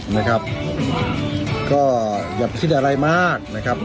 นะครับก็อย่าไปคิดอะไรมากนะครับ